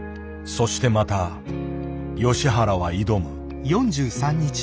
そしてまた吉原は挑む。